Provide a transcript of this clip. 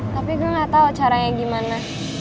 tapi gue gak tau caranya gimana